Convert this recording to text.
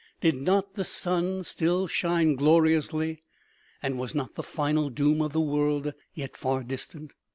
Did not the sun still shine gloriously, and was not the final doom of the world yet far distant